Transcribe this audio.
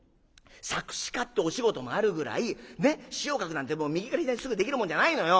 作詞家ってお仕事もあるぐらい詞を書くなんて右から左にすぐできるもんじゃないのよ！